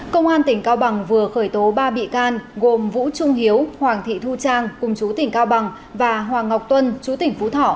công an tỉnh cao bằng vừa khởi tố ba bị can gồm vũ trung hiếu hoàng thị thu trang cùng chú tỉnh cao bằng và hoàng ngọc tuân chú tỉnh phú thọ